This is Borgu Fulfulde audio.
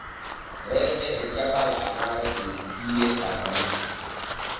Rewɓe e jaɓa lamaare der siire Tamaru.